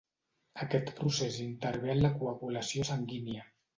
Aquest procés intervé en la coagulació sanguínia.